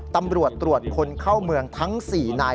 ตำรวจตรวจคนเข้าเมืองทั้ง๔นาย